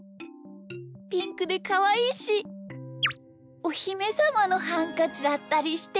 ピンクでかわいいしおひめさまのハンカチだったりして。